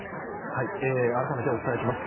改めてお伝えします。